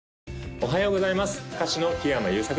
おはようございます